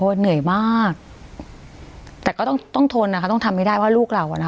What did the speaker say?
เหนื่อยมากแต่ก็ต้องต้องทนนะคะต้องทำให้ได้ว่าลูกเราอ่ะนะคะ